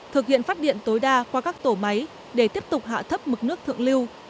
thực hiện phát điện tối đa qua các tổ máy để tiếp tục hạ thấp mực nước thượng lưu